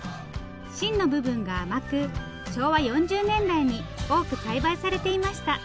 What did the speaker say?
芯の部分が甘く昭和４０年代に多く栽培されていました。